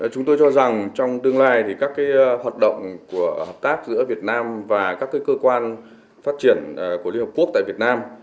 chúng tôi cho rằng trong tương lai các hoạt động của hợp tác giữa việt nam và các cơ quan phát triển của liên hợp quốc tại việt nam